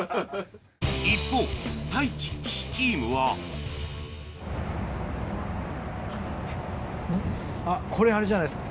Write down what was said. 一方太一・岸チームはあっこれあれじゃないですか